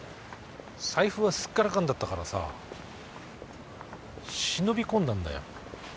財布はすっからかんだったからさ忍び込んだんだよ。